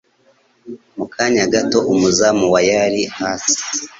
Mu kanya gato, umuzamu wa yari hasi.